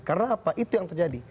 karena apa itu yang terjadi